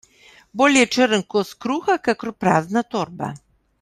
Bolje črn kos kruha, kakor prazna torba.